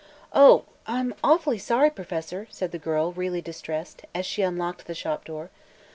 "Oh, I'm awfully sorry, Professor," said the girl, really distressed, as she unlocked the Shop door.